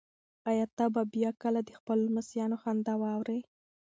ایا ته به بیا کله د خپلو لمسیانو خندا واورې؟